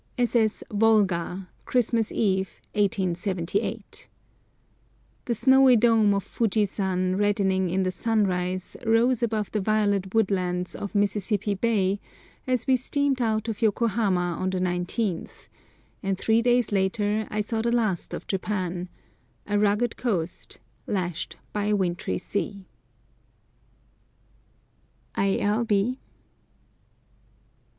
S.S. "Volga," Christmas Eve, 1878.—The snowy dome of Fujisan reddening in the sunrise rose above the violet woodlands of Mississippi Bay as we steamed out of Yokohama Harbour on the 19th, and three days later I saw the last of Japan—a rugged coast, lashed by a wintry sea. I. L. B.